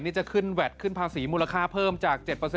นี่จะขึ้นแวดขึ้นภาษีมูลค่าเพิ่มจาก๗